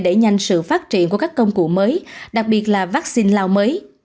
đẩy nhanh sự phát triển của các công cụ mới đặc biệt là vắc xin lao mới